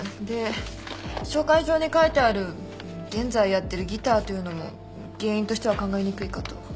で紹介状に書いてある現在やってるギターというのも原因としては考えにくいかと。